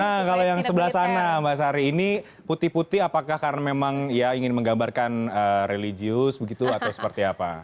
nah kalau yang sebelah sana mbak sari ini putih putih apakah karena memang ya ingin menggambarkan religius begitu atau seperti apa